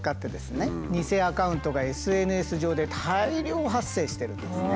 偽アカウントがＳＮＳ上で大量発生してるんですね。